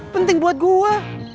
penting buat gue